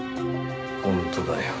本当だよ。